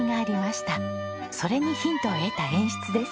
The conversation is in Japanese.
それにヒントを得た演出です。